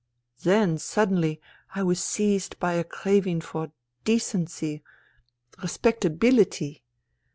Then, suddenly, I was seized by a craving for decency, respectability.